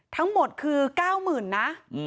ทั้งหมดคือ๙๐๐๐นะ